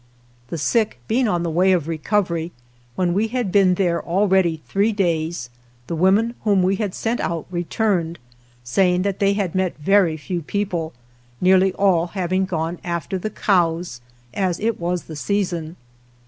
The sick being on the way of recovery, when we had been there already three days, the women whom we had sent out returned, saying that they had met very few people, nearly all having gone after the cows, as it was the season.